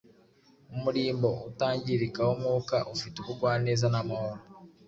umurimbo utangirika w’umwuka ufite ubugwaneza n’amahoro: